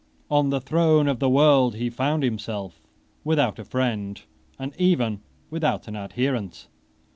On the throne of the world he found himself without a friend, and even without an adherent.